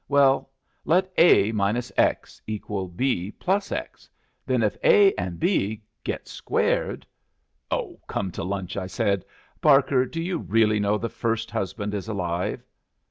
Well, let A minus X equal B plus X, then if A and B get squared " "Oh, come to lunch," I said. "Barker, do you really know the first husband is alive?"